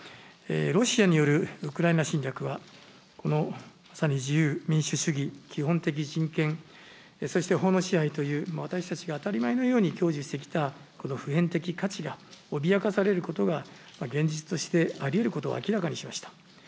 ロシアによるウクライナ侵略は、このまさに自由、民主主義基本的人権、そして法の支配という、私たちが当たり前のように享受してきた、この普遍的価値が脅かされることが現実としてありうることを明らかにしました。